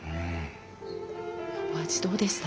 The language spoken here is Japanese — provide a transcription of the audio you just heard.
お味どうでした？